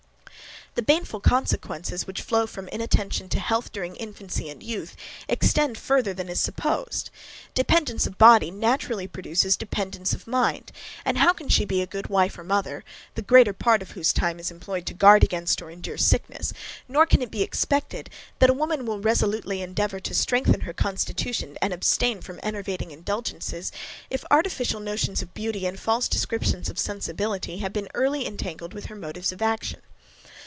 The baneful consequences which flow from inattention to health during infancy, and youth, extend further than is supposed, dependence of body naturally produces dependence of mind; and how can she be a good wife or mother, the greater part of whose time is employed to guard against or endure sickness; nor can it be expected, that a woman will resolutely endeavour to strengthen her constitution and abstain from enervating indulgences, if artificial notions of beauty, and false descriptions of sensibility, have been early entangled with her motives of action.